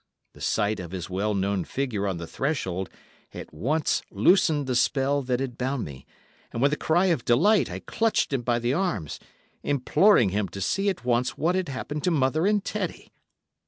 The sight of his well known figure on the threshold at once loosened the spell that had bound me, and with a cry of delight I clutched him by the arms, imploring him to see at once what had happened to mother and Teddy.